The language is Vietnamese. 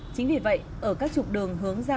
chính vì vậy ở các trục đường hướng ra